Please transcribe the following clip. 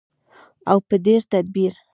او په ډیر تدبیر.